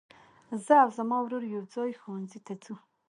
زه او زما ورور يوځای ښوونځي ته ځو.